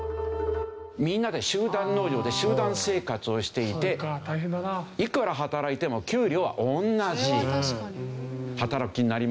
みんなで集団農場で集団生活をしていていくら働いても給料は同じ。